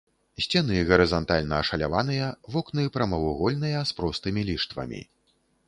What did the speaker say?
Сцены гарызантальна ашаляваныя, вокны прамавугольныя з простымі ліштвамі.